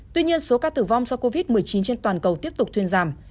tuy nhiên số ca tử vong do covid một mươi chín trên toàn cầu tiếp tục thuyên giảm